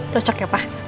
cocok ya pak